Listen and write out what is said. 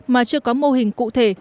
mà chưa có mô hình cụ thể